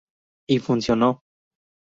Y funcionó.